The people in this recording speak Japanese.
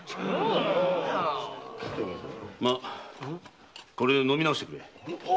まあこれで飲み直してくれ。